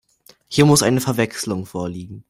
Hier muss eine Verwechslung vorliegen.